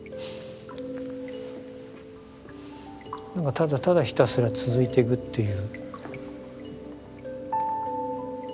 ただただひたすら続いていくっていう。